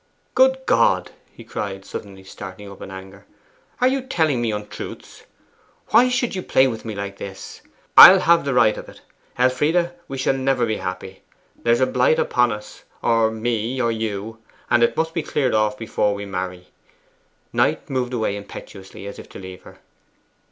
Good God!' he cried, suddenly starting up in anger, 'are you telling me untruths? Why should you play with me like this? I'll have the right of it. Elfride, we shall never be happy! There's a blight upon us, or me, or you, and it must be cleared off before we marry.' Knight moved away impetuously as if to leave her.